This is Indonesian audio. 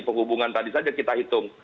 penghubungan tadi saja kita hitung